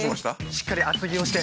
しっかり厚着をして。